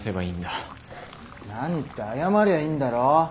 何って謝りゃいいんだろ。